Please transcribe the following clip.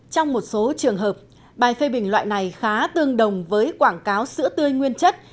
trong một số trường hợp bài phê bình loại này khá tương đồng với quảng cáo sữa tươi nguyên chất